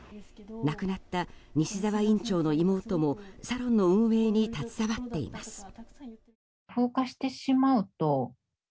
亡くなった西澤院長の妹もサロンの運営に携わっています。